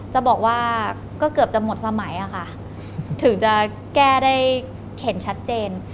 จะบอกว่าก็เกือบจะหมดสมัยอะค่ะถึงจะแก้ได้เข็นชัดเจน